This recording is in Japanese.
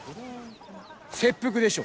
切腹でしょ！